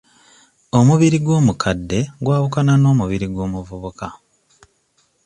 Omubiri gw'omukadde gwawukana n'omubiri gw'omuvubuka.